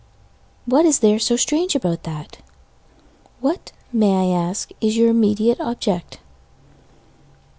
What is there so strange about that? What, may I ask, is your immediate object?